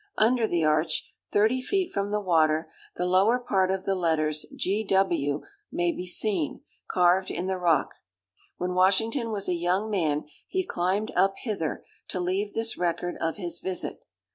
Under the arch, thirty feet from the water, the lower part of the letters G. W. may be seen, carved in the rock. When Washington was a young man, he climbed up hither, to leave this record of his visit.